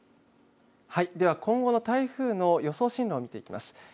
では今後の台風の予想進路、見ていきます。